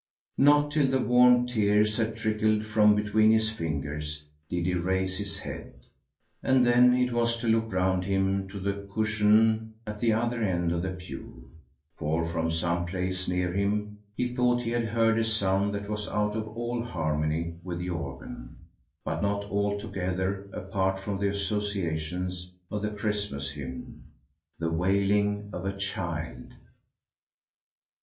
Not till the warm tears had trickled from between his fingers did he raise his head, and then it was to look round him to the cushion at the other end of the pew, for from some place near him he thought he had heard a sound that was out of all harmony with the organ, but not altogether apart from the associations of the Christmas hymn the wailing of a child.